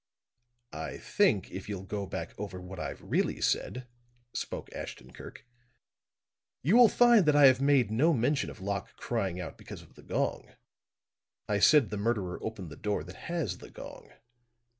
"I think if you'll go back over what I've really said," spoke Ashton Kirk, "you will find that I have made no mention of Locke crying out because of the gong. I said the murderer opened the door that has the gong.